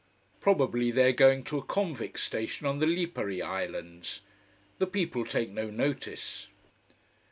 Probably they are going to a convict station on the Lipari islands. The people take no notice.